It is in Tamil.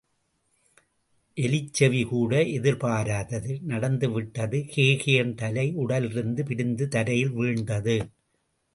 எலிச்செவிகூட எதிர்பாராதது நடந்துவிட்டது கேகயன் தலை உடலிலிருந்து பிரிந்து தரையில் வீழ்ந்தது.